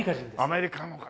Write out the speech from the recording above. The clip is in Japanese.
アメリカの方。